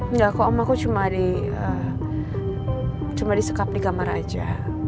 enggak kok om aku cuma disekap di kamar aja